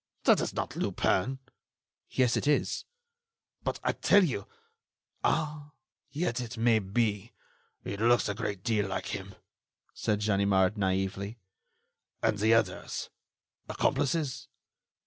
"That is not Lupin." "Yes, it is." "But I tell you.... Ah! yet, it may be. It looks a great deal like him," said Ganimard, naively. "And the others—accomplices?"